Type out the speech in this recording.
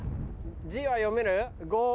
字は読める？